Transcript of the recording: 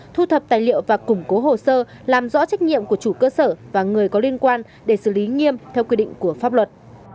thu thập tài liệu và củng cố hồ sơ làm rõ trách nhiệm của chủ cơ sở và người có liên quan để xử lý nghiêm theo quy định của pháp luật